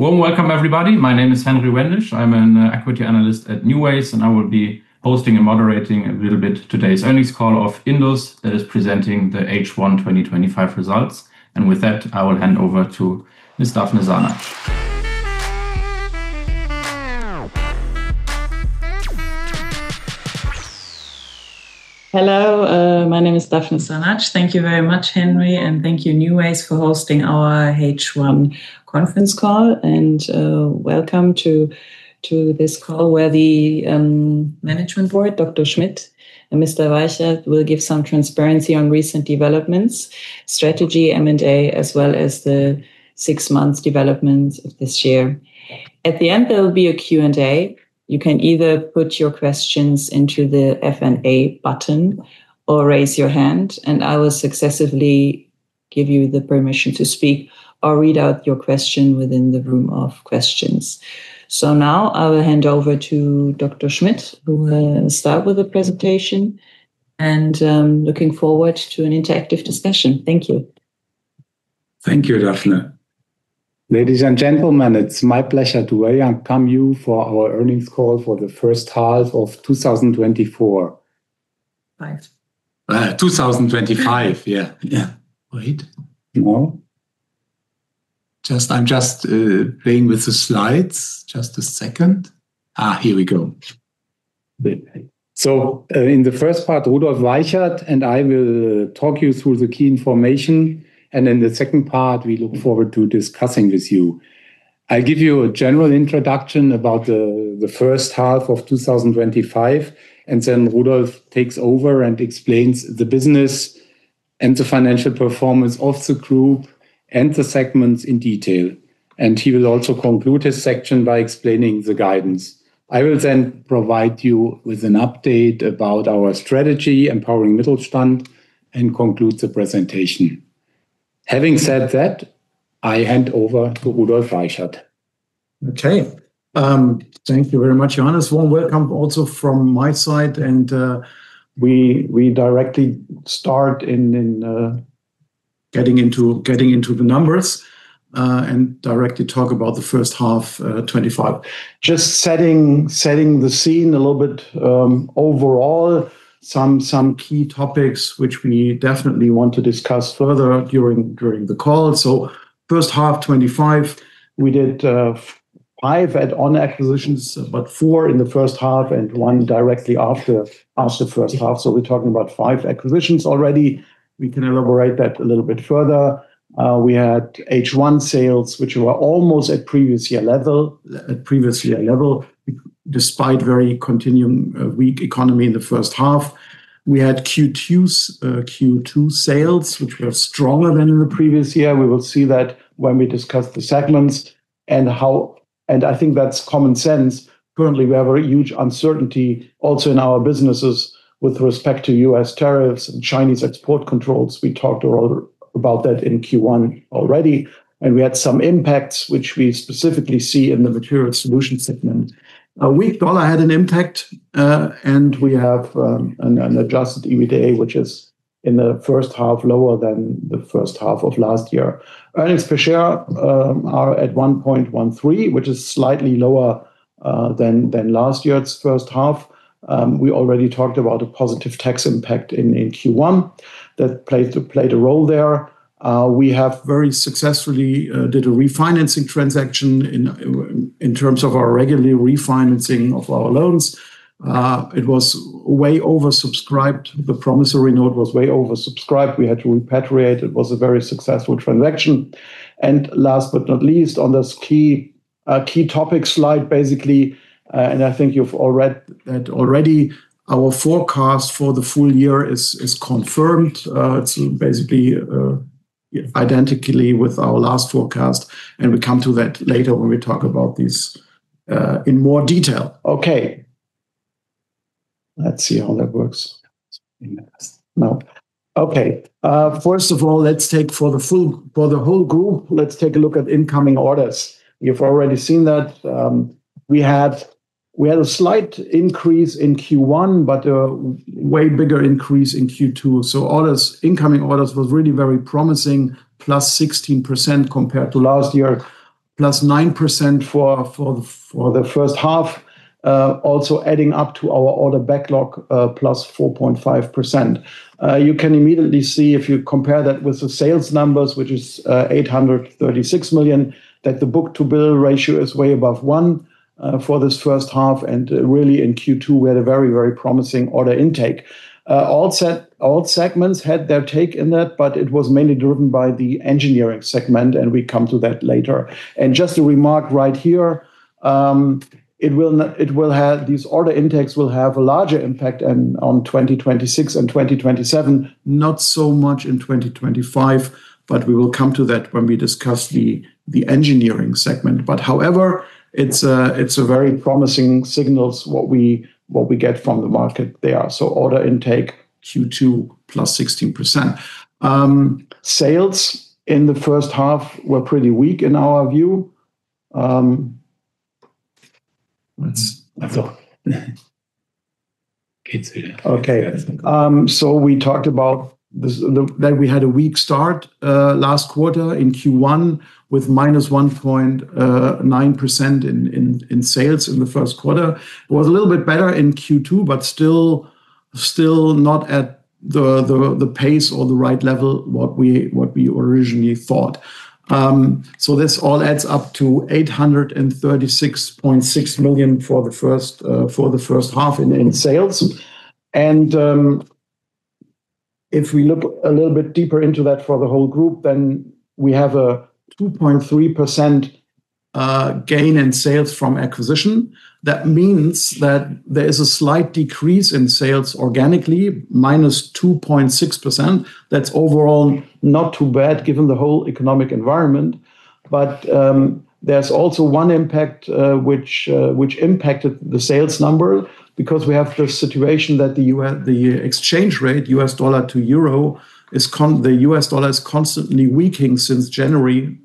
Warm welcome everybody. My name is Henry Wendisch. I'm an equity analyst at NuWays, and I will be hosting and moderating a little bit today's earnings call of INDUS, that is presenting the H1 2025 results. With that I will hand over to Ms. Dafne Sanac. Hello. My name is Dafne Sanac. Thank you very much Henry, and thank you NuWays for hosting our H1 conference call. Welcome to this call where the management board, Dr. Schmidt and Mr. Weichert will give some transparency on recent developments, strategy, M&A, as well as the six months developments of this year. At the end, there will be a Q&A. You can either put your questions into the Q&A button or raise your hand and I will successively give you the permission to speak or read out your question within the room of questions. Now I will hand over to Dr. Schmidt, who will start with the presentation and looking forward to an interactive discussion. Thank you. Thank you, Dafne. Ladies and gentlemen, it's my pleasure to very welcome you for our earnings call for the first half of 2024. Five. 2025. Yeah. Yeah. Wait. You know. I'm just playing with the slides. Just a second. Here we go. In the first part, Rudolf Weichert and I will talk you through the key information. In the second part, we look forward to discussing with you. I'll give you a general introduction about the first half of 2025, and then Rudolf takes over and explains the business and the financial performance of the group and the segments in detail. He will also conclude his section by explaining the guidance. I will then provide you with an update about our strategy, EMPOWERING MITTELSTAND, and conclude the presentation. Having said that, I hand over to Rudolf Weichert. Okay. Thank you very much, Johannes. Warm welcome also from my side. We directly start in getting into the numbers and directly talk about the first half 2025. Just setting the scene a little bit, overall some key topics which we definitely want to discuss further during the call. First half 2025, we did five add-on acquisitions, but four in the first half and one directly after first half. We're talking about five acquisitions already. We can elaborate that a little bit further. We had H1 sales, which were almost at previous year level despite very continuum weak economy in the first half. We had Q2 sales, which were stronger than in the previous year. We will see that when we discuss the segments and how. I think that's common sense. Currently, we have a huge uncertainty also in our businesses with respect to U.S. tariffs and Chinese export controls. We talked a lot about that in Q1 already. We had some impacts which we specifically see in the Material Solutions segment. A weak dollar had an impact. We have an adjusted EBITDA, which is in the first half lower than the first half of last year. Earnings per share are at 1.13, which is slightly lower than last year's first half. We already talked about a positive tax impact in Q1 that played a role there. We have very successfully did a refinancing transaction in terms of our regularly refinancing of our loans. It was way oversubscribed. The promissory note was way oversubscribed. We had to repatriate. It was a very successful transaction. Last but not least, on this key topic slide, basically, and I think you've all read that already, our forecast for the full year is confirmed. It's basically identically with our last forecast, and we come to that later when we talk about this in more detail. Okay. Let's see how that works. No. Okay. First of all, let's take for the whole group, let's take a look at incoming orders. We have already seen that, we had a slight increase in Q1, but a way bigger increase in Q2. Orders, incoming orders was really very promising, +16% compared to last year, +9% for the first half. Also adding up to our order backlog, +4.5%. You can immediately see if you compare that with the sales numbers, which is, 836 million, that the book-to-bill ratio is way above one for this first half. Really in Q2, we had a very, very promising order intake. All segments had their take in that, but it was mainly driven by the engineering segment, and we come to that later. Just a remark right here, these order intakes will have a larger impact on 2026 and 2027, not so much in 2025, but we will come to that when we discuss the engineering segment. However, it's a very promising signals what we get from the market there. Order intake Q2 +16%. Sales in the first half were pretty weak in our view. We talked about this, that we had a weak start last quarter in Q1 with -1.9% in sales in the first quarter. It was a little bit better in Q2, but still not at the pace or the right level what we originally thought. This all adds up to 836.6 million for the first half in sales. If we look a little bit deeper into that for the whole group, then we have a 2.3% gain in sales from acquisition. That means that there is a slight decrease in sales organically, -2.6%. That's overall not too bad given the whole economic environment. There's also one impact which impacted the sales number because we have the situation that the U.S. Dollar is constantly weakening since 25 January.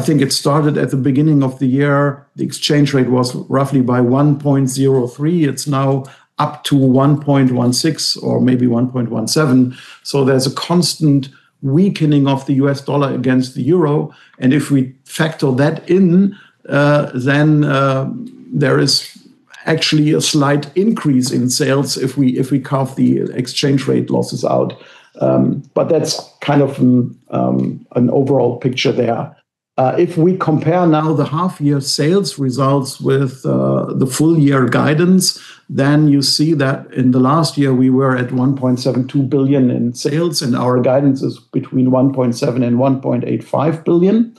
I think it started at the beginning of the year. The exchange rate was roughly by 1.03. It's now up to 1.16 or maybe 1.17. There's a constant weakening of the U.S. Dollar against the Euro, and if we factor that in, there is actually a slight increase in sales if we carve the exchange rate losses out. That's kind of an overall picture there. If we compare now the half year sales results with the full year guidance, then you see that in the last year we were at 1.72 billion in sales, and our guidance is between 1.7 billion and 1.85 billion.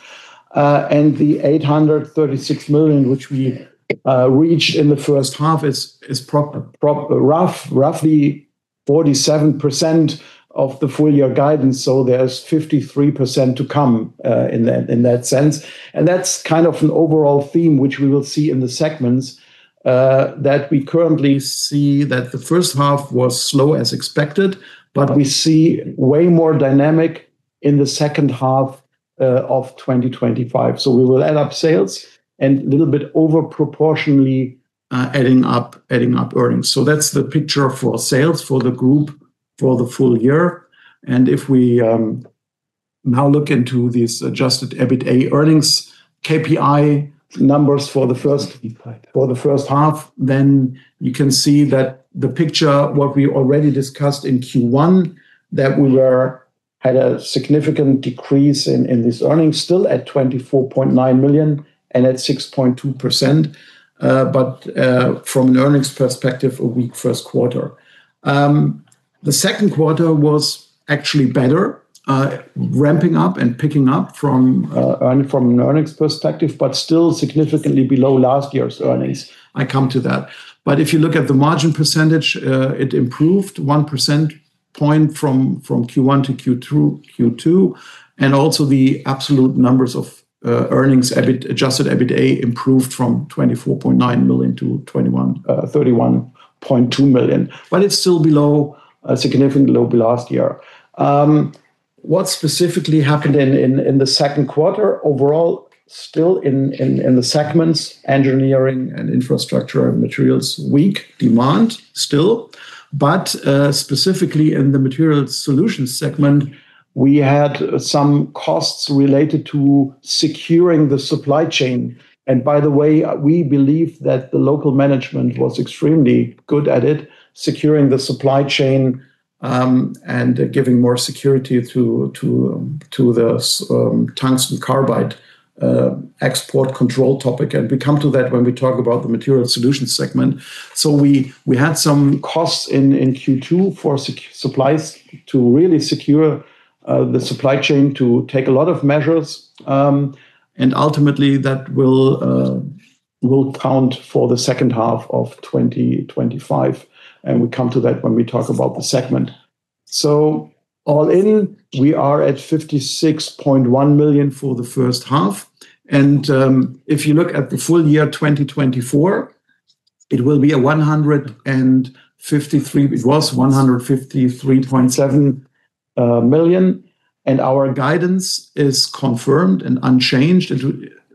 The 836 million which we reached in the first half is roughly 47% of the full year guidance, so there's 53% to come in that sense. That's kind of an overall theme which we will see in the segments that we currently see that the first half was slow as expected, but we see way more dynamic in the second half of 2025. We will add up sales and a little bit over proportionally adding up earnings. That's the picture for sales for the group for the full year. If we now look into these adjusted EBITA earnings KPI numbers for the first half, then you can see that the picture, what we already discussed in Q1, that we had a significant decrease in this earnings, still at 24.9 million and at 6.2%, but from an earnings perspective, a weak first quarter. The second quarter was actually better, ramping up and picking up from an earnings perspective, but still significantly below last year's earnings. I come to that. If you look at the margin percentage, it improved 1 percent point from Q1 to Q2, and also the absolute numbers of earnings, adjusted EBITA improved from 24.9 million to 31.2 million. It's still below, significantly below last year. What specifically happened in the second quarter overall, still in the segments, Engineering and Infrastructure and materials, weak demand still. Specifically in the Material Solutions segment, we had some costs related to securing the supply chain. By the way, we believe that the local management was extremely good at it, securing the supply chain, and giving more security to the tungsten carbide export control topic, and we come to that when we talk about the Material Solutions segment. We had some costs in Q2 for supplies to really secure the supply chain, to take a lot of measures, and ultimately that will count for the second half of 2025, and we come to that when we talk about the segment. All in, we are at 56.1 million for the first half. If you look at the full year 2024, it will be 153. It was 153.7 million, and our guidance is confirmed and unchanged.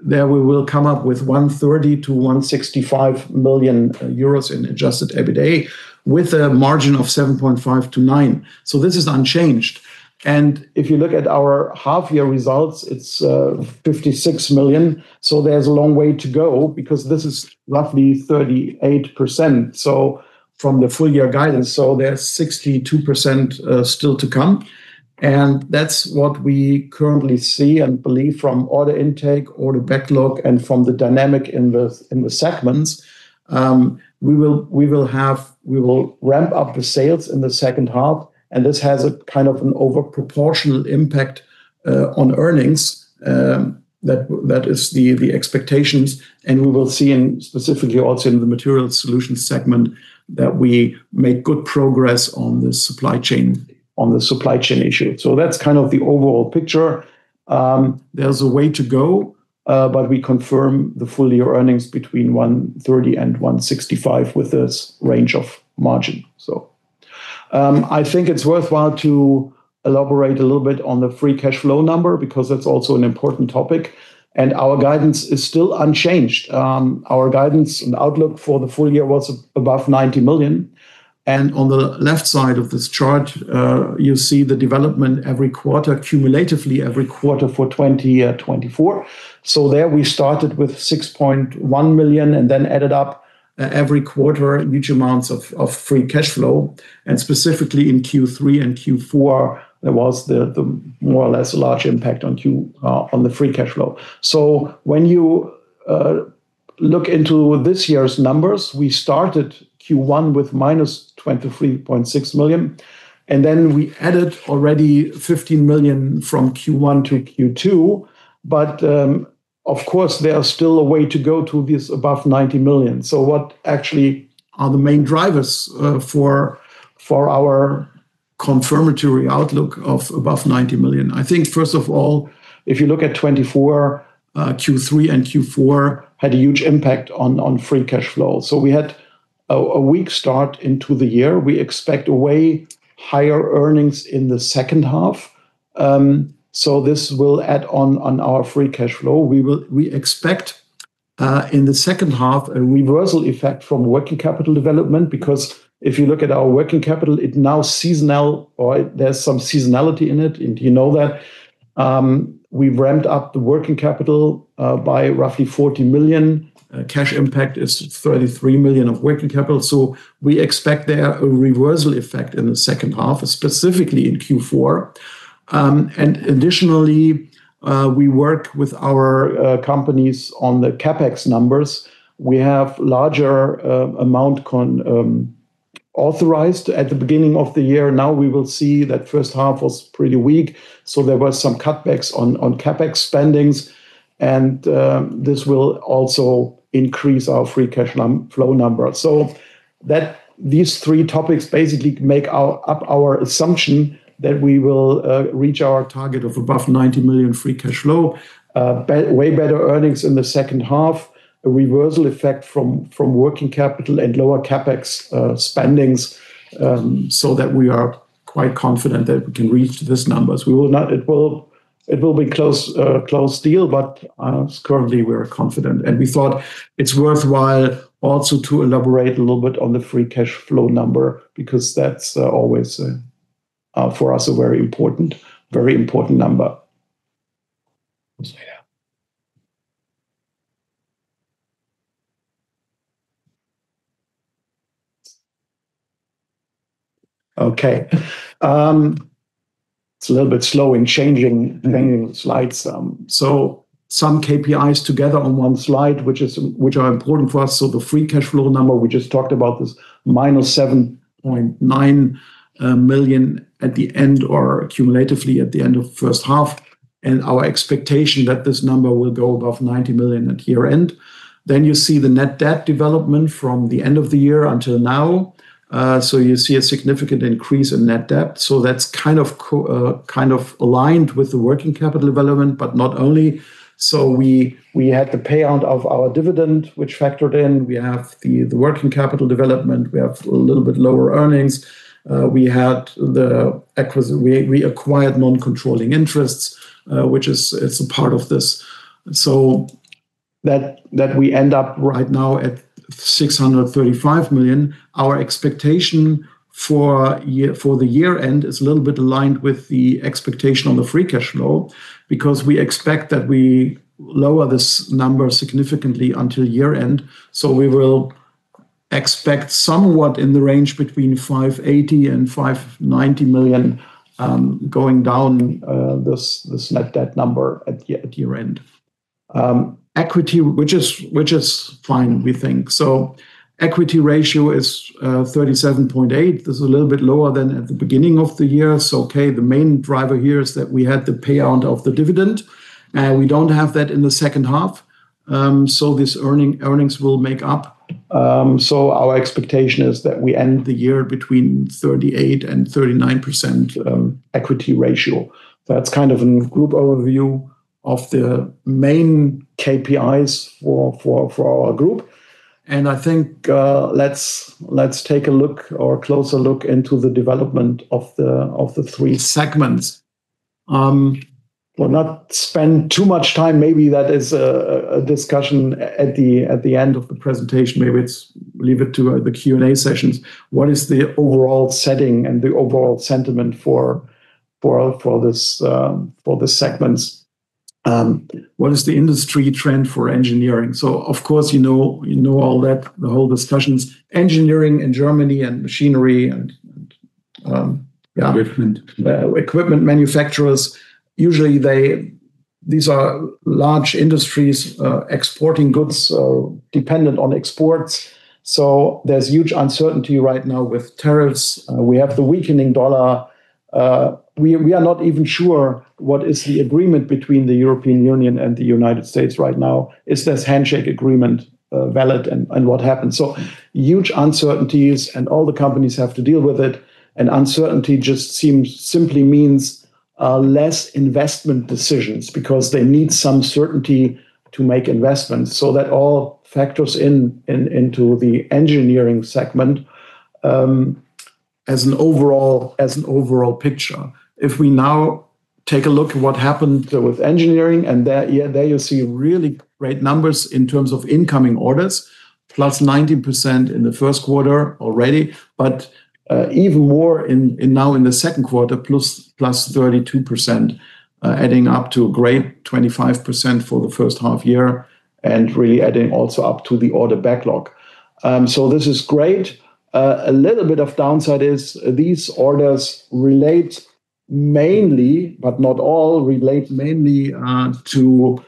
We will come up with 130 million-165 million euros in adjusted EBITA with a margin of 7.5%-9%. This is unchanged. If you look at our half year results, it's 56 million, there's a long way to go because this is roughly 38% from the full year guidance, there's 62% still to come. That's what we currently see and believe from order intake, order backlog, and from the dynamic in the segments. We will ramp up the sales in the second half, and this has a kind of an over proportional impact on earnings, that is the expectations. We will see in specifically also in the Material Solutions segment that we make good progress on the supply chain issue. That's kind of the overall picture. There's a way to go, but we confirm the full year earnings between 130 million and 165 million with this range of margin. I think it's worthwhile to elaborate a little bit on the free cash flow number because that's also an important topic, and our guidance is still unchanged. Our guidance and outlook for the full year was above 90 million, and on the left side of this chart, you see the development every quarter, cumulatively every quarter for 2024. There we started with 6.1 million and then added up every quarter huge amounts of free cash flow. Specifically in Q3 and Q4, there was the more or less large impact on the free cash flow. When you look into this year's numbers, we started Q1 with -23.6 million, and then we added already 15 million from Q1 to Q2. Of course, there are still a way to go to this above 90 million. What actually are the main drivers for our confirmatory outlook of above 90 million? I think, first of all, if you look at 2024, Q3 and Q4 had a huge impact on free cash flow. We had a weak start into the year. We expect way higher earnings in the second half, so this will add on our free cash flow. We expect in the second half a reversal effect from Working Capital development because if you look at our Working Capital, it now seasonal or there's some seasonality in it. You know that we've ramped up the working capital by roughly 40 million. Cash impact is 33 million of working capital. We expect there a reversal effect in the second half, specifically in Q4. Additionally, we work with our companies on the CapEx numbers. We have larger amount authorized at the beginning of the year. We will see that first half was pretty weak, so there were some cutbacks on CapEx spendings, this will also increase our free cash flow number. These three topics basically make up our assumption that we will reach our target of above 90 million free cash flow, way better earnings in the second half, a reversal effect from working capital and lower CapEx spendings, so that we are quite confident that we can reach these numbers. It will be close deal, but currently we're confident. We thought it's worthwhile also to elaborate a little bit on the free cash flow number because that's always for us a very important, very important number. Okay. It's a little bit slow in changing slides. Some KPIs together on one slide, which are important for us. The free cash flow number, we just talked about this, -7.9 million at the end or cumulatively at the end of first half, and our expectation that this number will go above 90 million at year-end. You see the net debt development from the end of the year until now. You see a significant increase in net debt. That's kind of aligned with the working capital development, but not only. We had the payout of our dividend, which factored in. We have the working capital development. We have a little bit lower earnings. We acquired non-controlling interests, which is, it's a part of this. That we end up right now at 635 million. Our expectation for year, for the year-end is a little bit aligned with the expectation on the free cash flow because we expect that we lower this number significantly until year-end. We will expect somewhat in the range between 580 million-590 million, going down this net debt number at year-end. Equity, which is fine, we think. Equity ratio is 37.8. This is a little bit lower than at the beginning of the year. Okay, the main driver here is that we had the payout of the dividend, and we don't have that in the second half, so this earnings will make up. Our expectation is that we end the year between 38% and 39% equity ratio. That's kind of an group overview of the main KPIs for our group. I think, let's take a look or a closer look into the development of the three segments. We'll not spend too much time. Maybe that is a discussion at the end of the presentation. Maybe it's leave it to the Q&A sessions. What is the overall setting and the overall sentiment for this for the segments? What is the industry trend for engineering? Of course, you know all that, the whole discussions, Engineering in Germany and machinery and Equipment yeah, equipment manufacturers, usually these are large industries, exporting goods, dependent on exports. There's huge uncertainty right now with tariffs. We have the weakening dollar. We are not even sure what is the agreement between the European Union and the United States right now. Is this handshake agreement valid and what happened? Huge uncertainties, and all the companies have to deal with it. Uncertainty simply means less investment decisions because they need some certainty to make investments. That all factors into the Engineering segment as an overall picture. If we now take a look at what happened with engineering, there, yeah, there you see really great numbers in terms of incoming orders, +19% in the first quarter already, even more now in the second quarter +32%, adding up to a great 25% for the first half year and really adding also up to the order backlog. This is great. A little bit of downside is these orders relate mainly, but not all, relate mainly to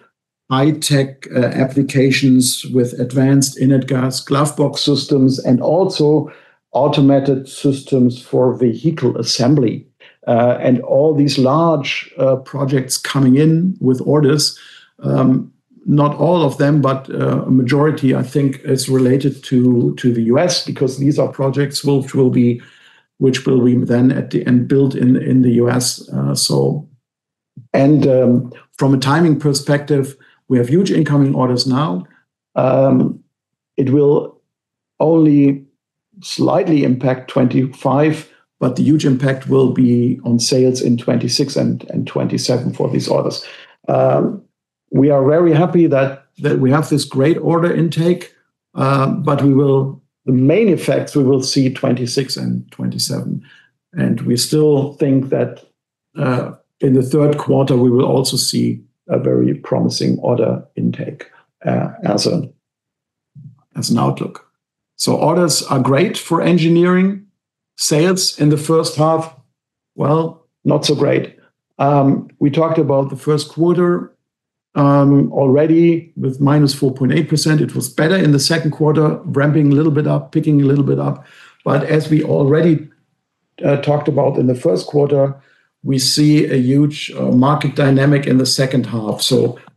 high-tech applications with advanced inert gas glove box systems and also automated systems for vehicle assembly. All these large projects coming in with orders, not all of them, but a majority I think is related to the U.S. because these are projects which will be then at the end built in the U.S. From a timing perspective, we have huge incoming orders now. It will only slightly impact 2025, but the huge impact will be on sales in 2026 and 2027 for these orders. We are very happy that we have this great order intake, but the main effects we will see 2026 and 2027. We still think that in the third quarter, we will also see a very promising order intake as an outlook. Orders are great for engineering. Sales in the first half, well, not so great. We talked about the first quarter already with -4.8%. It was better in the second quarter, ramping a little bit up, picking a little bit up. As we already talked about in the first quarter, we see a huge market dynamic in the second half.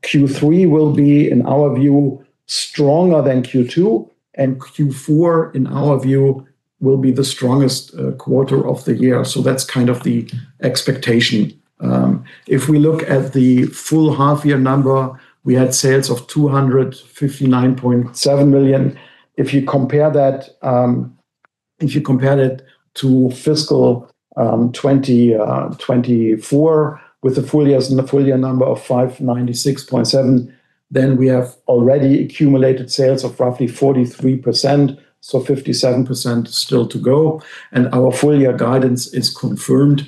Q3 will be, in our view, stronger than Q2, and Q4, in our view, will be the strongest quarter of the year. That's kind of the expectation. If we look at the full half year number, we had sales of 259.7 million. If you compare that to fiscal 2024 with a full year number of 596.7, we have already accumulated sales of roughly 43%. 57% still to go. Our full year guidance is confirmed.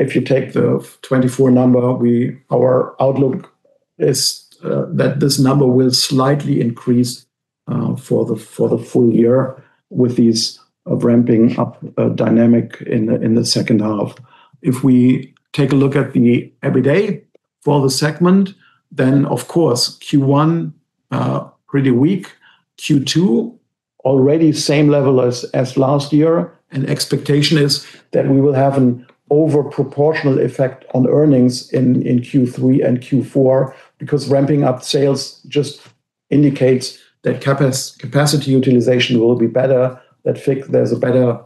If you take the 2024 number, our outlook is that this number will slightly increase for the full year with these ramping up dynamic in the second half. If we take a look at the EBITA for the segment, of course Q1 really weak. Q2 already same level as last year. Expectation is that we will have an over proportional effect on earnings in Q3 and Q4 because ramping up sales just indicates that capacity utilization will be better, that there's a better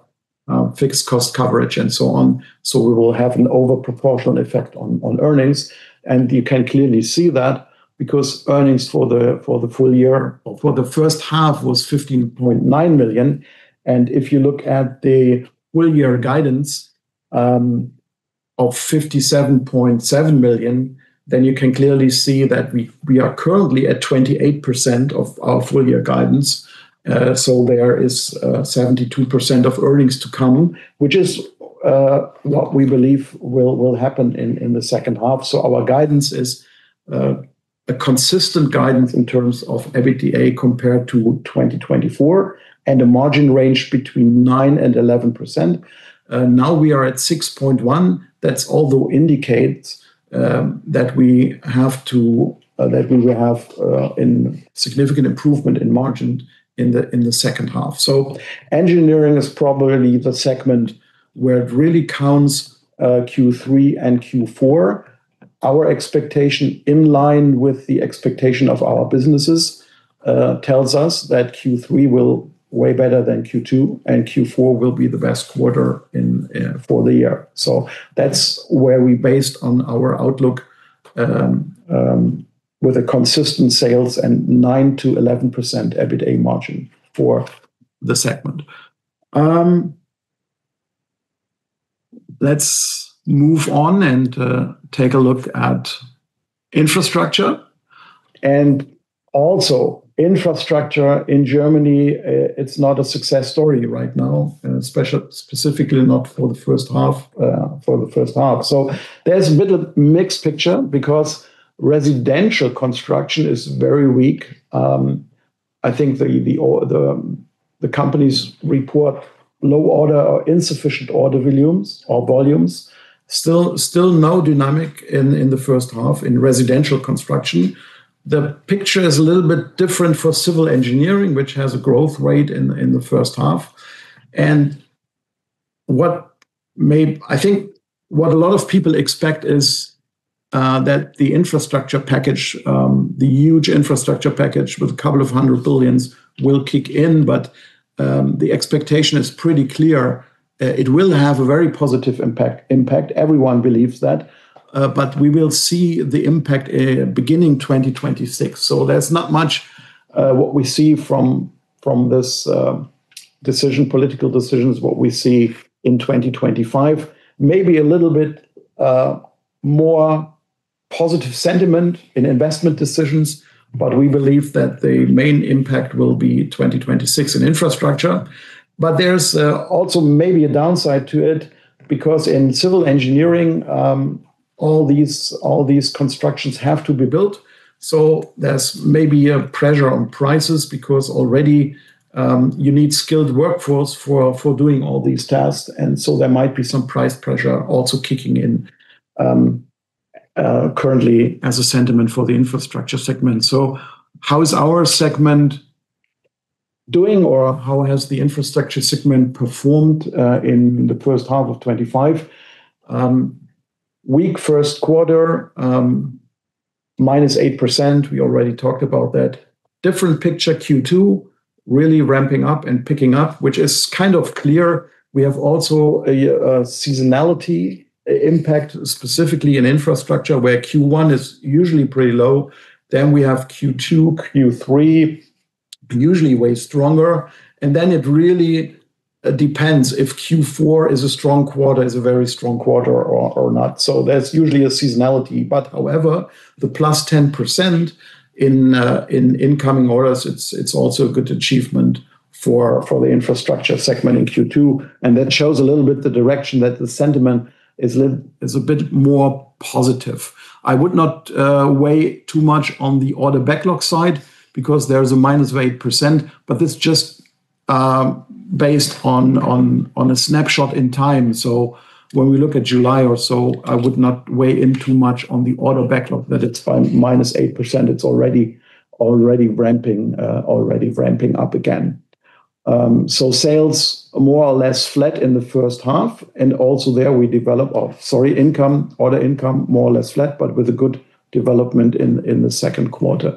fixed cost coverage and so on. We will have an over proportional effect on earnings. You can clearly see that because earnings for the full year or for the first half was 15.9 million. If you look at the full year guidance of 57.7 million, you can clearly see that we are currently at 28% of our full year guidance. There is 72% of earnings to come, which is what we believe will happen in the second half. Our guidance is a consistent guidance in terms of EBITDA compared to 2024 and a margin range between 9% and 11%. Now we are at 6.1%. That's although indicates that we will have a significant improvement in margin in the second half. Engineering is probably the segment where it really counts, Q3 and Q4. Our expectation in line with the expectation of our businesses tells us that Q3 will way better than Q2, and Q4 will be the best quarter in for the year. That's where we based on our outlook with a consistent sales and 9%-11% EBITDA margin for the segment. Let's move on and take a look at infrastructure and also infrastructure in Germany, it's not a success story right now, especially, specifically not for the first half. There's a bit of mixed picture because residential construction is very weak. I think the companies report low order or insufficient order volumes. Still no dynamic in the first half in residential construction. The picture is a little bit different for civil engineering, which has a growth rate in the first half. I think what a lot of people expect is that the infrastructure package, the huge infrastructure package with EUR couple of hundred billions will kick in. The expectation is pretty clear. It will have a very positive impact. Everyone believes that. We will see the impact beginning 2026. There's not much what we see from this decision, political decisions, what we see in 2025. Maybe a little bit more positive sentiment in investment decisions, but we believe that the main impact will be 2026 in infrastructure. There's also maybe a downside to it because in civil engineering, all these constructions have to be built. There's maybe a pressure on prices because already, you need skilled workforce for doing all these tasks. There might be some price pressure also kicking in currently as a sentiment for the infrastructure segment. How is our segment doing or how has the infrastructure segment performed in the first half of 2025? Weak first quarter, -8%. We already talked about that. Different picture Q2, really ramping up and picking up, which is kind of clear. We have also a seasonality impact specifically in infrastructure where Q1 is usually pretty low. We have Q2, Q3, usually way stronger. It really depends if Q4 is a strong quarter, is a very strong quarter or not. That's usually a seasonality. However, the +10% in incoming orders, it's also a good achievement for the infrastructure segment in Q2, and that shows a little bit the direction that the sentiment is a bit more positive. I would not weigh too much on the order backlog side because there is a -8%, but it's just based on a snapshot in time. When we look at July or so, I would not weigh in too much on the order backlog that it's -8%. It's already ramping up again. Sales more or less flat in the first half, and also there. Sorry, income, order income more or less flat, but with a good development in the second quarter.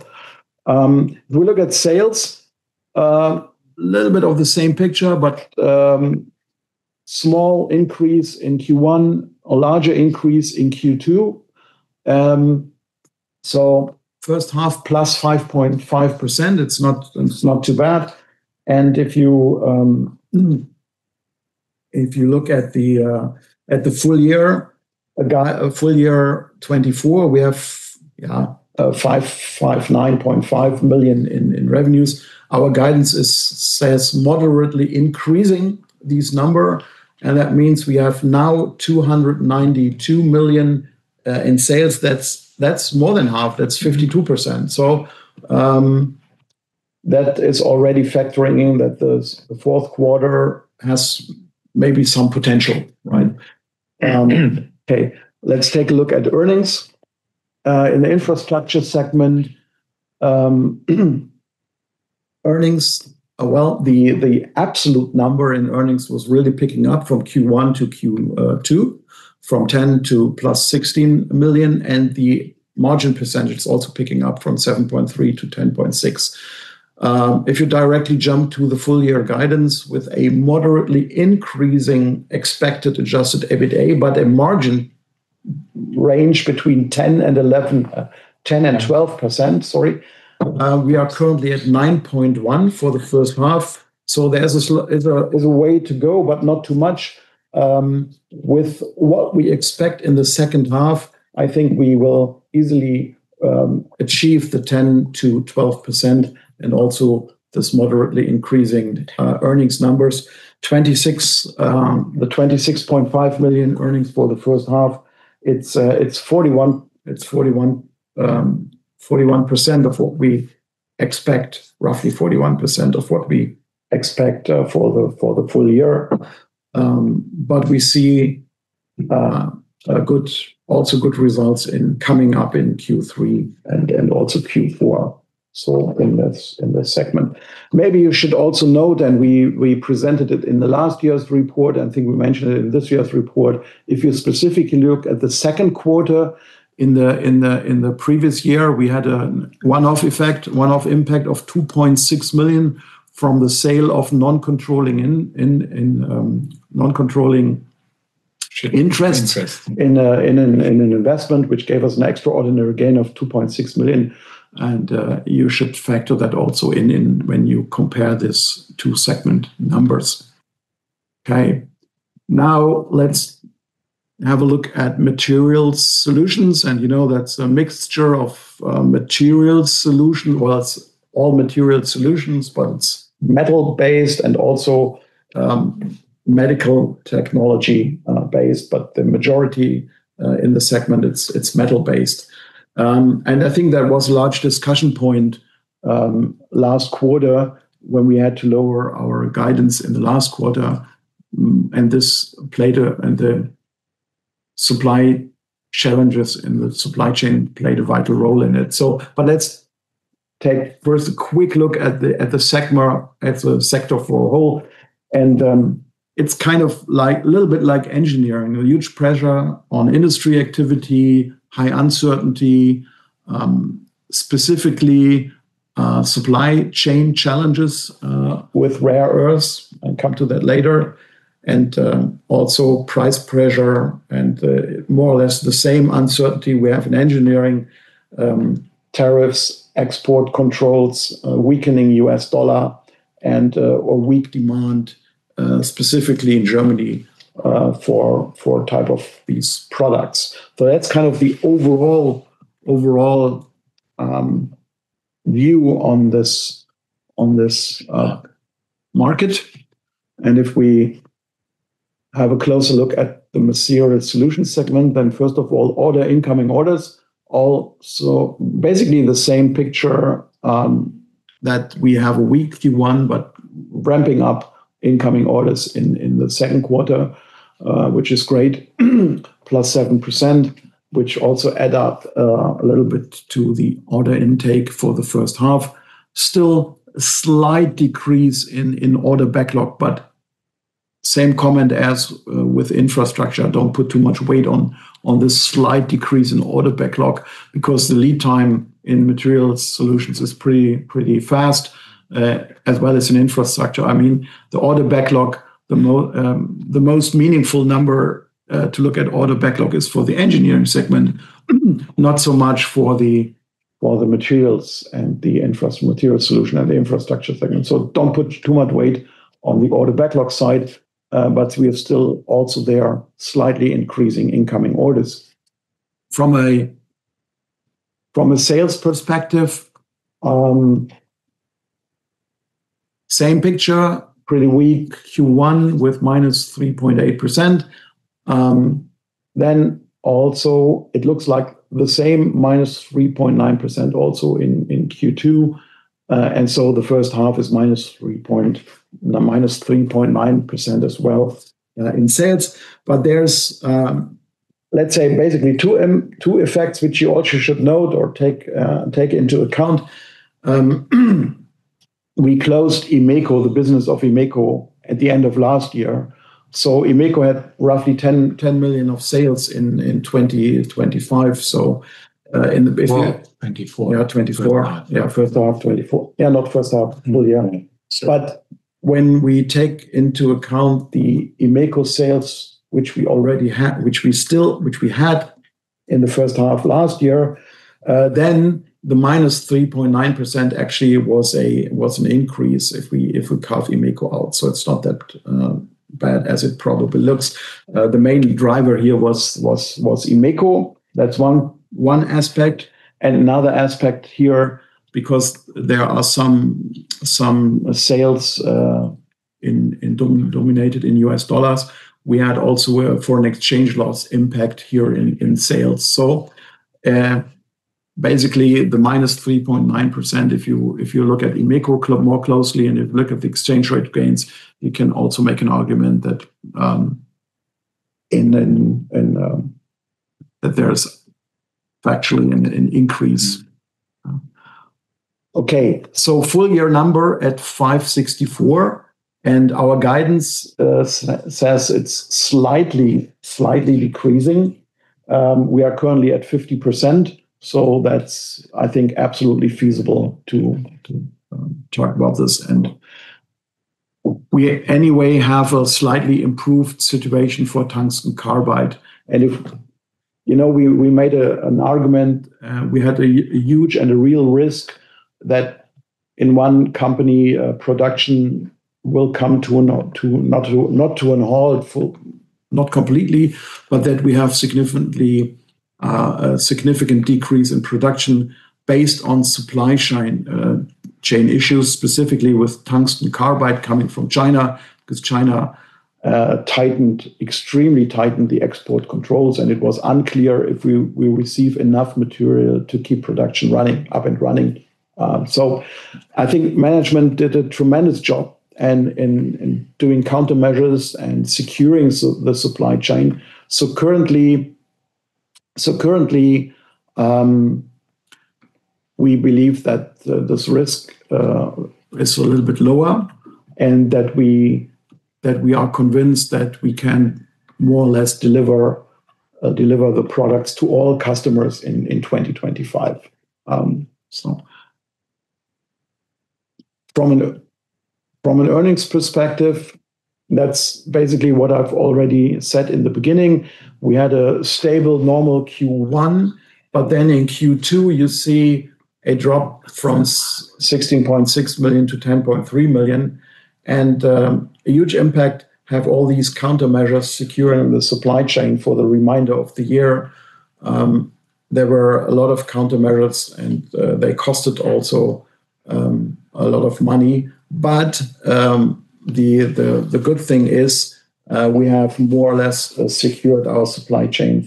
If we look at sales, a little bit of the same picture, but small increase in Q1, a larger increase in Q2. First half +5.5%, it's not too bad. If you look at the full year, full year 2024, we have 559.5 million in revenues. Our guidance says moderately increasing this number, that means we have now 292 million in sales. That's more than half. That's 52%. that is already factoring in that the fourth quarter has maybe some potential, right? Okay, let's take a look at earnings. In the Infrastructure Segment, earnings, well, the absolute number in earnings was really picking up from Q1 to Q2, from 10 million to +16 million, the margin percentage is also picking up from 7.3% to 10.6%. If you directly jump to the full year guidance with a moderately increasing expected adjusted EBITDA, a margin range between 10% and 12%, sorry. We are currently at 9.1% for the first half. There's a way to go, but not too much. With what we expect in the second half, I think we will easily achieve the 10%-12% and also this moderately increasing earnings numbers. The 26.5 million earnings for the first half, it's 41%, roughly 41% of what we expect for the full year. We see a good, also good results coming up in Q3 and also Q4. In this segment. Maybe you should also note, and we presented it in the last year's report, I think we mentioned it in this year's report. If you specifically look at the second quarter in the previous year, we had a one-off effect, one-off impact of 2.6 million from the sale of non-controlling interests in an investment which gave us an extraordinary gain of 2.6 million. You should factor that also in when you compare these two segment numbers. Okay. Now let's have a look at Material Solutions, you know that's a mixture of material solution. Well, it's all Material Solutions, it's metal-based and also medical technology based, the majority in the segment, it's metal-based. I think that was a large discussion point last quarter when we had to lower our guidance in the last quarter, and the supply challenges in the supply chain played a vital role in it. Let's take first a quick look at the segment, at the sector for a whole. It's kind of like, a little bit like engineering, a huge pressure on industry activity, high uncertainty, specifically supply chain challenges with rare earths, I'll come to that later, and also price pressure and more or less the same uncertainty we have in engineering, tariffs, export controls, weakening U.S. Dollar and a weak demand specifically in Germany for type of these products. That's kind of the overall view on this market. If we have a closer look at the Material Solutions segment, First of all, incoming orders also basically the same picture, that we have a weak Q1, but ramping up incoming orders in the second quarter, which is great. +7%, which also add up a little bit to the order intake for the first half. Still a slight decrease in order backlog, but same comment as with infrastructure. Don't put too much weight on this slight decrease in order backlog because the lead time in Material Solutions is pretty fast, as well as in infrastructure. I mean, the most meaningful number to look at order backlog is for the engineering segment, not so much for the, for the Material Solutions and the infrastructure segment. Don't put too much weight on the order backlog side. We are still also there slightly increasing incoming orders. From a sales perspective, same picture, pretty weak Q1 with -3.8%. Also it looks like the same -3.9% also in Q2. The first half is -3.9% as well in sales. There's, let's say basically two effects which you also should note or take into account. We closed Emeco, the business of Emeco, at the end of last year. Emeco had roughly 10 million of sales in 2025. Well, 24. Yeah, 2024. First half. Yeah, first half 2024. Yeah, not first half. Full year. When we take into account the Emeco sales, which we had in the first half of last year, then the -3.9% actually was an increase if we carve Emeco out, so it's not that bad as it probably looks. The main driver here was Emeco. That's one aspect. Another aspect here, because there are some sales, in dominated in U.S. dollars, we had also a foreign exchange loss impact here in sales. Basically the -3.9%, if you look at Emeco more closely and you look at the exchange rate gains, you can also make an argument that there's factually an increase. Okay, full year number at 564, and our guidance says it's slightly decreasing. We are currently at 50%, that's, I think, absolutely feasible to talk about this. We anyway have a slightly improved situation for tungsten carbide. If, you know, we made an argument, we had a huge and a real risk that in one company, production will come to a not to a halt for not completely, but that we have significantly a significant decrease in production based on supply chain issues, specifically with tungsten carbide coming from China, because China extremely tightened the export controls, and it was unclear if we receive enough material to keep production running, up and running. I think management did a tremendous job in doing countermeasures and securing the supply chain. Currently, we believe that this risk is a little bit lower and that we are convinced that we can more or less deliver the products to all customers in 2025. From an earnings perspective, that's basically what I've already said in the beginning. We had a stable normal Q1, but then in Q2, you see a drop from 16.6 million to 10.3 million and a huge impact have all these countermeasures securing the supply chain for the remainder of the year. There were a lot of countermeasures and they costed also a lot of money. The good thing is, we have more or less secured our supply chain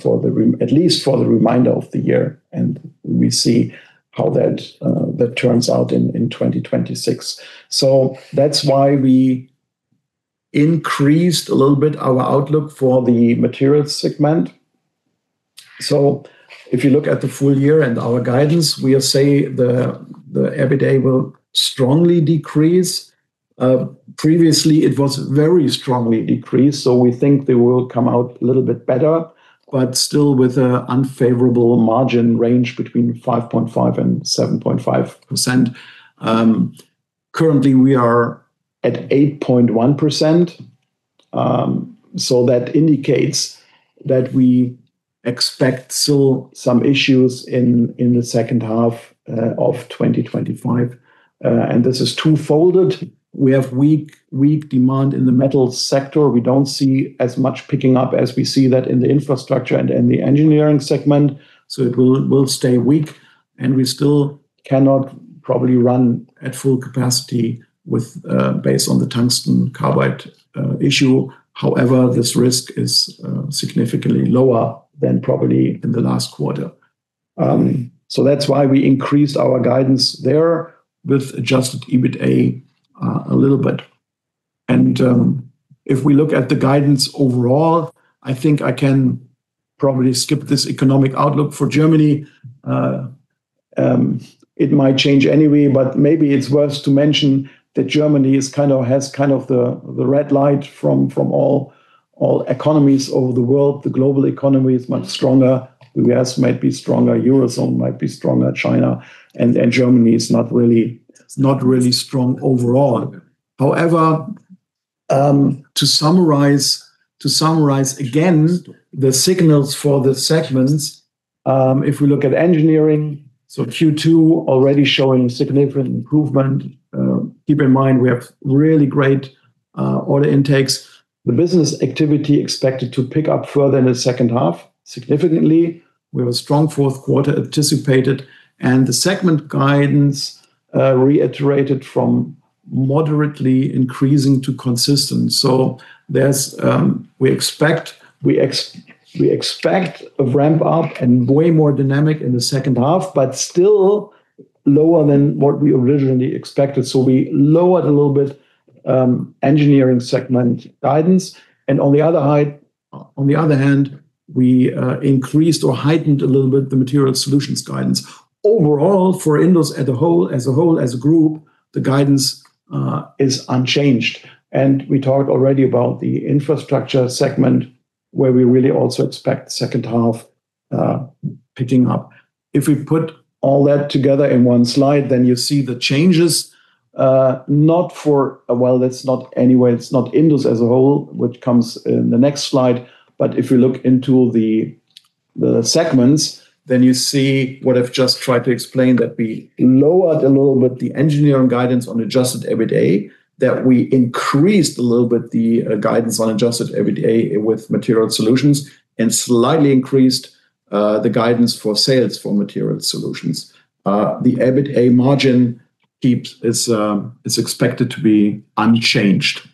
at least for the remainder of the year, and we see how that turns out in 2026. That's why we increased a little bit our outlook for the materials segment. If you look at the full year and our guidance, we say the EBITDA will strongly decrease. Previously it was very strongly decreased, so we think they will come out a little bit better, but still with a unfavorable margin range between 5.5%-7.5%. Currently we are at 8.1%, so that indicates that we expect still some issues in the second half of 2025. And this is two-folded. We have weak demand in the metal sector. We don't see as much picking up as we see that in the infrastructure and in the engineering segment, so it will stay weak, and we still cannot probably run at full capacity with based on the tungsten carbide issue. However, this risk is significantly lower than probably in the last quarter. That's why we increased our guidance there with adjusted EBITA a little bit. If we look at the guidance overall, I think I can probably skip this economic outlook for Germany. It might change anyway, but maybe it's worth to mention that Germany is kind of, has kind of the red light from all economies over the world. The global economy is much stronger. The U.S. might be stronger. Eurozone might be stronger. China and Germany is not really strong overall. To summarize again the signals for the segments, if we look at Engineering, Q2 already showing significant improvement. Keep in mind we have really great order intakes. The business activity expected to pick up further in the second half significantly. We have a strong fourth quarter anticipated, and the segment guidance reiterated from moderately increasing to consistent. There's, we expect a ramp up and way more dynamic in the second half, but still lower than what we originally expected, so we lowered a little bit Engineering segment guidance. On the other hand, we increased or heightened a little bit the Material Solutions guidance. Overall, for INDUS as a whole, as a group, the guidance is unchanged. We talked already about the infrastructure segment, where we really also expect the second half picking up. We put all that together in one slide, then you see the changes, Well, it's not anyway, it's not INDUS as a whole, which comes in the next slide. If you look into the segments, then you see what I've just tried to explain, that we lowered a little bit the engineering guidance on adjusted EBITA, that we increased a little bit the guidance on adjusted EBITA with Material Solutions, and slightly increased the guidance for sales for Material Solutions. The EBITA margin is expected to be unchanged.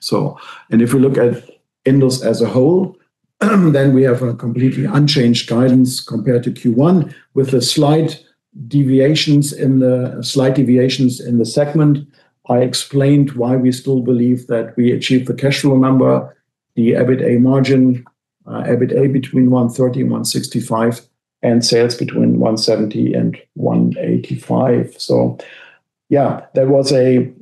If we look at INDUS as a whole, then we have a completely unchanged guidance compared to Q1 with slight deviations in the segment. I explained why we still believe that we achieved the cash flow number, the EBITA margin, EBITA between 130 million and 165 million, and sales between 170 million and 185 million. Yeah, that was a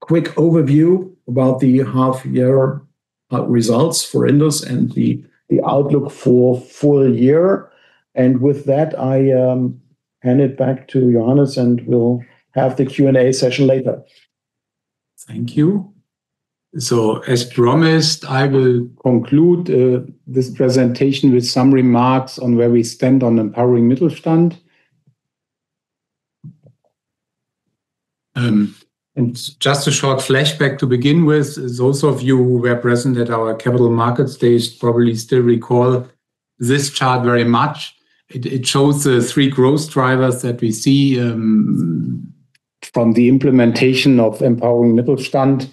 quick overview about the half year results for INDUS and the outlook for full year. With that, I hand it back to Johannes, and we'll have the Q&A session later. Thank you. As promised, I will conclude this presentation with some remarks on where we stand on EMPOWERING MITTELSTAND. Just a short flashback to begin with, as those of you who were present at our capital markets stage probably still recall this chart very much. It shows the three growth drivers that we see from the implementation of EMPOWERING MITTELSTAND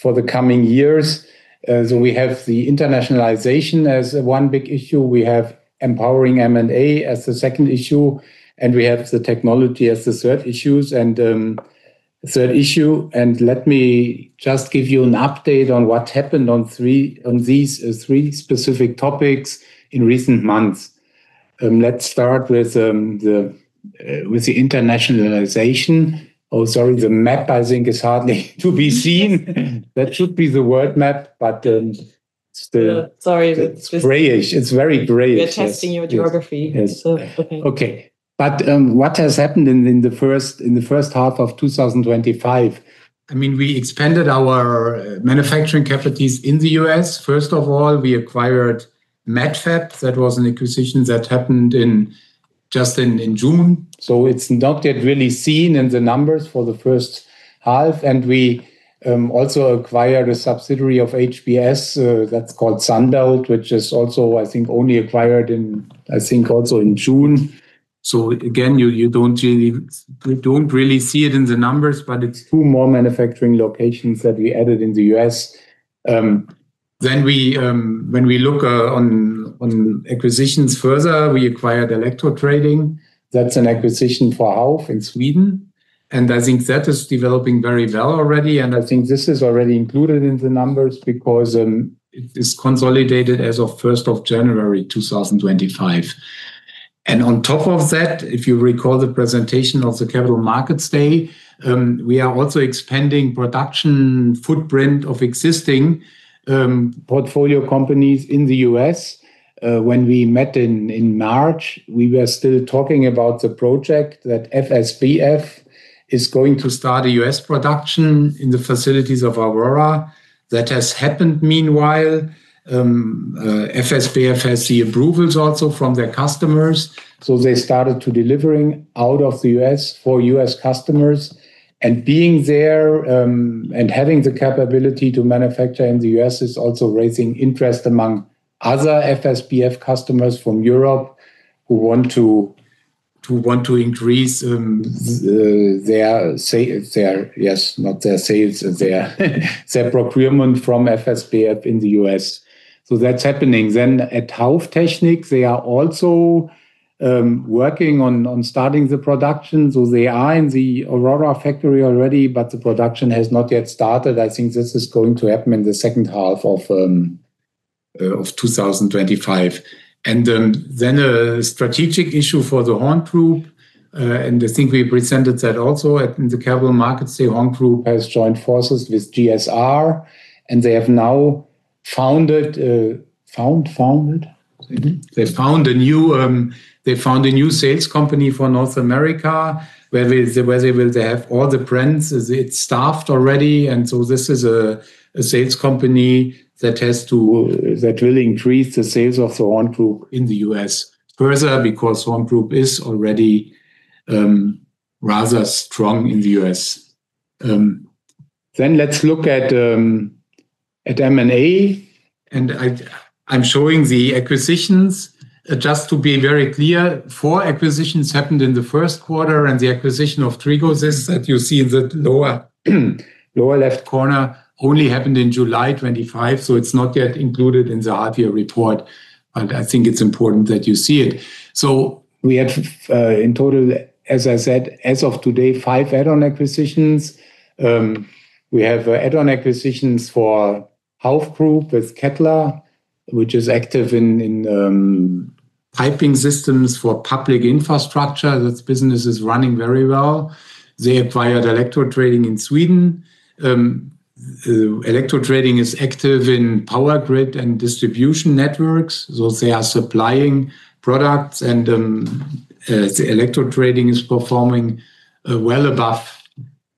for the coming years. We have the internationalization as one big issue, we have Empowering M&A as the second issue, and we have the technology as the third issue. Let me just give you an update on what happened on these three specific topics in recent months. Let's start with the internationalization. Oh, sorry, the map I think is hardly to be seen. That should be the world map, but Sorry if it's it's grayish. It's very grayish. We're testing your geography. Yes. Yes. So Okay. What has happened in the first half of 2025, I mean, we expanded our manufacturing capacities in the U.S. First of all, we acquired METFAB. That was an acquisition that happened in June. It's not yet really seen in the numbers for the first half. We also acquired a subsidiary of HBS that's called SUNBELT, which is also only acquired in June. Again, we don't really see it in the numbers. It's two more manufacturing locations that we added in the U.S. When we look on acquisitions further, we acquired ELECTRO TRADING. That's an acquisition for Auf in Sweden. I think that is developing very well already. I think this is already included in the numbers because it is consolidated as of 1 January 2025. On top of that, if you recall the presentation of the Capital Markets Day, we are also expanding production footprint of existing portfolio companies in the U.S. When we met in March, we were still talking about the project that FS-BF is going to start a U.S. production in the facilities of AURORA. That has happened meanwhile. FS-BF has the approvals also from their customers, so they started to delivering out of the U.S. for U.S. customers. Being there, and having the capability to manufacture in the U.S. is also raising interest among other FS-BF customers from Europe who want to increase their sale. Yes. Not their sales, their procurement from FS-BF in the U.S. That's happening. At Hauff-Technik, they are also working on starting the production. They are in the AURORA factory already, but the production has not yet started. I think this is going to happen in the second half of 2025. Then a strategic issue for the HORNGROUP, and I think we presented that also at, in the Capital Markets Day. HORNGROUP has joined forces with GSR and they have now founded? Mm-hmm. They found a new sales company for North America where they will have all the brands. Is it staffed already? This is a sales company that will increase the sales of the HORNGROUP in the U.S. further because HORNGROUP is already rather strong in the U.S. Let's look at M&A. I'm showing the acquisitions. Just to be very clear, four acquisitions happened in the first quarter, and the acquisition of TRIGOSYS that you see in the lower left corner only happened in 25 July, so it's not yet included in the half year report, and I think it's important that you see it. We had in total, as I said, as of today, five add-on acquisitions. We have add-on acquisitions for Hauff Group with KETTLER, which is active in piping systems for public infrastructure. That business is running very well. They acquired ELECTRO TRADING in Sweden. ELECTRO TRADING is active in power grid and distribution networks, so they are supplying products and ELECTRO TRADING is performing well above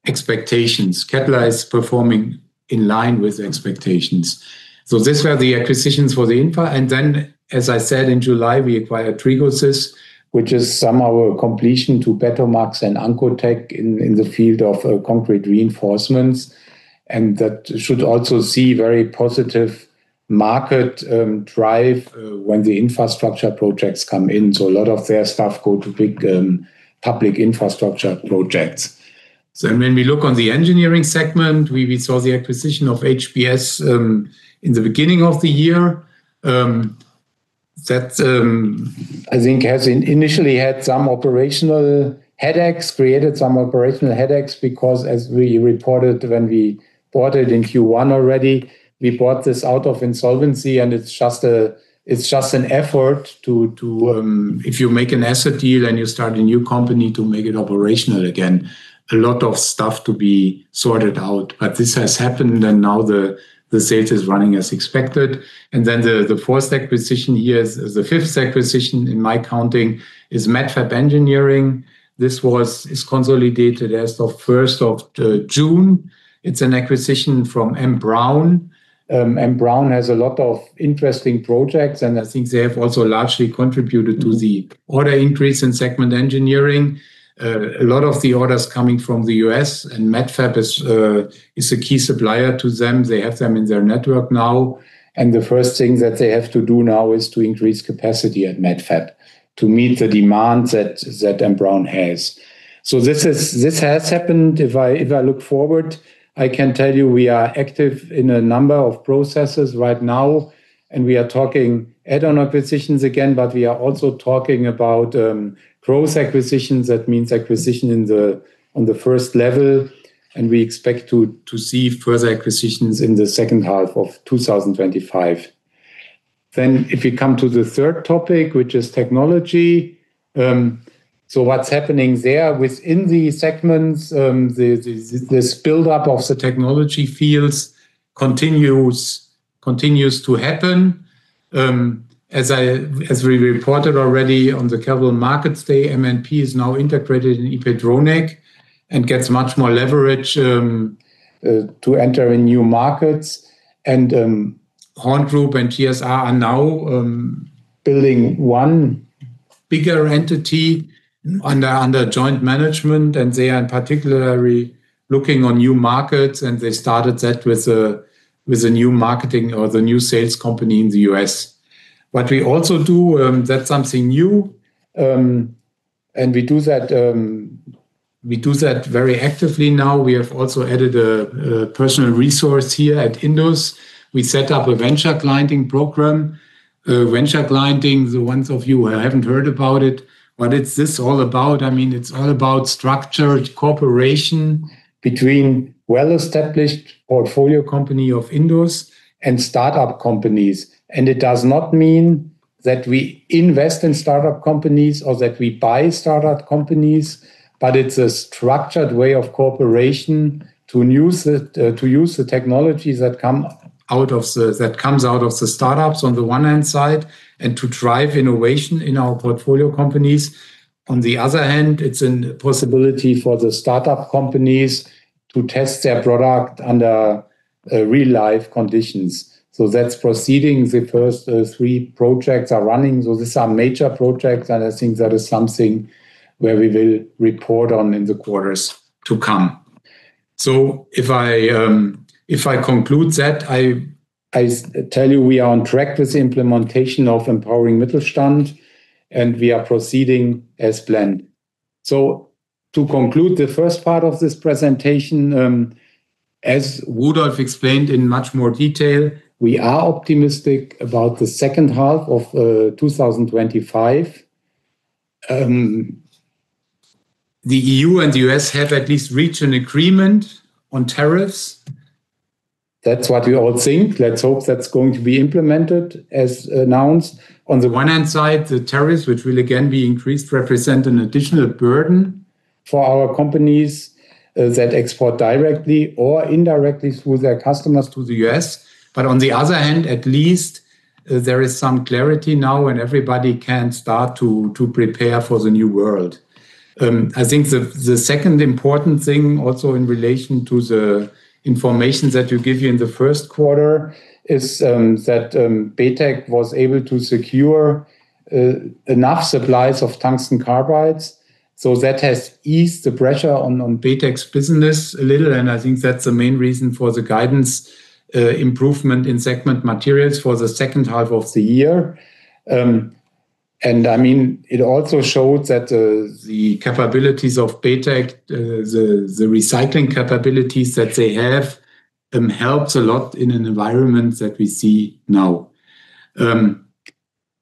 expectations. Kettler is performing in line with expectations. These were the acquisitions for the Infra and then, as I said, in July, we acquired TRIGOSYS, which is somehow a completion to BETOMAX and ANCOTECH in the field of concrete reinforcements, and that should also see very positive market drive when the infrastructure projects come in. A lot of their staff go to big public infrastructure projects. When we look on the Engineering segment, we saw the acquisition of HBS in the beginning of the year. That, I think has initially had some operational headaches, created some operational headaches because, as we reported when we bought it in Q1 already, we bought this out of insolvency and it's just an effort to if you make an asset deal and you start a new company to make it operational again, a lot of stuff to be sorted out. This has happened, and now the sales is running as expected. The fourth acquisition here is the fifth acquisition in my counting is METFAB Engineering. This is consolidated as of first of June. It's an acquisition from MBRAUN. MBRAUN has a lot of interesting projects, and I think they have also largely contributed to the order increase in segment Engineering. A lot of the orders coming from the U.S. and METFAB is a key supplier to them. They have them in their network now, the first thing that they have to do now is to increase capacity at METFAB to meet the demand that MBRAUN has. This has happened. If I look forward, I can tell you we are active in a number of processes right now, and we are talking add-on acquisitions again, but we are also talking about growth acquisitions. That means acquisition in the, on the first level, and we expect to see further acquisitions in the second half of 2025. If you come to the third topic, which is technology, what's happening there within the segments, the buildup of the technology fields continues to happen. As we reported already on the Capital Markets Day, m+p is now integrated in IPETRONIK and gets much more leverage to enter in new markets. HORNGROUP and GSR are now building one bigger entity under joint management, and they are in particular looking on new markets, and they started that with a new marketing or the new sales company in the U.S. What we also do, that's something new, we do that very actively now. We have also added a personal resource here at INDUS. We set up a venture clienting program. Venture clienting, the ones of you who haven't heard about it, what is this all about? I mean, it's all about structured cooperation between well-established portfolio company of INDUS and startup companies, it does not mean that we invest in startup companies or that we buy startup companies, but it's a structured way of cooperation to use the technologies that comes out of the startups on the one hand side and to drive innovation in our portfolio companies. On the other hand, it's an possibility for the startup companies to test their product under real-life conditions. That's proceeding. The first three projects are running. Those are some major projects. I think that is something where we will report on in the quarters to come. If I, if I conclude that, I tell you we are on track with the implementation of EMPOWERING MITTELSTAND, and we are proceeding as planned. To conclude the first part of this presentation, as Rudolf explained in much more detail, we are optimistic about the second half of 2025. The EU and the U.S. have at least reached an agreement on tariffs. That's what we all think. Let's hope that's going to be implemented as announced. On the one hand side, the tariffs, which will again be increased, represent an additional burden for our companies that export directly or indirectly through their customers to the U.S. On the other hand, at least, there is some clarity now, and everybody can start to prepare for the new world. I think the second important thing also in relation to the information that you give you in the first quarter is that BETEK was able to secure enough supplies of tungsten carbides, so that has eased the pressure on BETEK's business a little, and I think that's the main reason for the guidance improvement in segment materials for the second half of the year. I mean, it also showed that the capabilities of BETEK, the recycling capabilities that they have, helps a lot in an environment that we see now.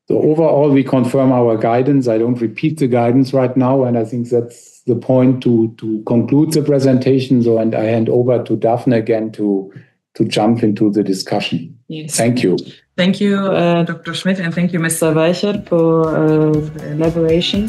Overall, we confirm our guidance. I don't repeat the guidance right now, and I think that's the point to conclude the presentation. I hand over to Dafne again to jump into the discussion. Yes. Thank you. Thank you, Dr. Schmidt, and thank you, Mr. Weichert for elaborations.